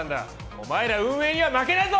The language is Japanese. お前ら運営には負けねえぞ！